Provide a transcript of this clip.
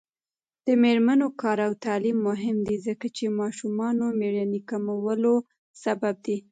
د میرمنو کار او تعلیم مهم دی ځکه چې ماشومانو مړینې کمولو سبب دی.